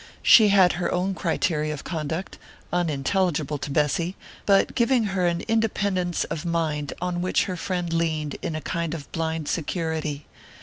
She had her own criteria of conduct, unintelligible to Bessy, but giving her an independence of mind on which her friend leaned in a kind of blind security.